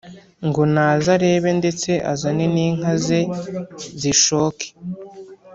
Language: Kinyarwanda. ngo naze arebe ndetse azane n’ inka ze zishoke.